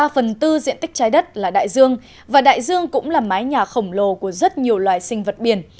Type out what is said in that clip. ba phần tư diện tích trái đất là đại dương và đại dương cũng là mái nhà khổng lồ của rất nhiều loài sinh vật biển